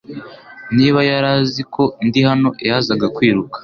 Niba yari azi ko ndi hano, yazaga kwiruka.